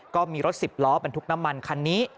ก็มีรถสิบล้อบรรทุกน้ำมันคันนี้